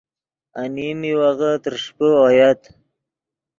انیم میوغے ترݰپے اویت